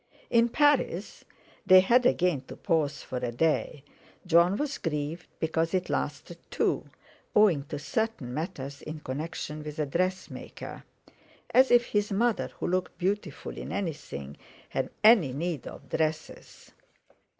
In Paris they had again to pause for a day. Jon was grieved because it lasted two, owing to certain matters in connection with a dressmaker; as if his mother, who looked beautiful in anything, had any need of dresses!